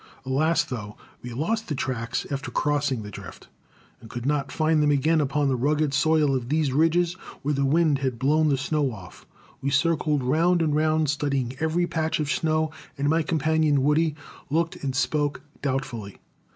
Alas, though, we lost the tracks after crossing the drift, and could not find them again upon the rugged soil of these ridges where the wind had blown the snow off. We circled round and round, studying every patch of snow, and my companion, Woody, looked and spoke doubtfully.